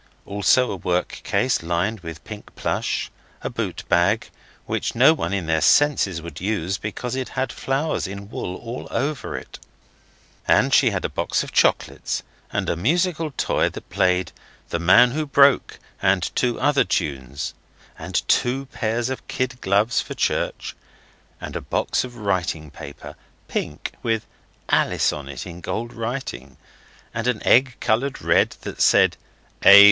Also a work case lined with pink plush, a boot bag, which no one in their senses would use because it had flowers in wool all over it. And she had a box of chocolates and a musical box that played 'The Man who broke' and two other tunes, and two pairs of kid gloves for church, and a box of writing paper pink with 'Alice' on it in gold writing, and an egg coloured red that said 'A.